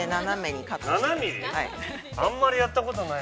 あんまりやったことない。